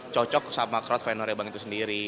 cocok sama crowd fn norebang itu sendiri